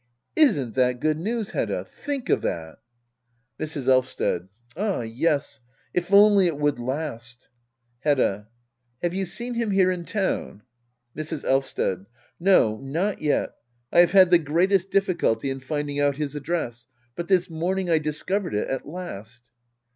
Isn't that good news/Hedda ? Think of that I Mrs. Elvsted. Ah yes^ if only it would last ! Hedda. Have you seen him here in town ? Mrs. Elvsted. No^ not yet. I have had the greatest difficulty in finding out his address. But this morning I discovered it at last.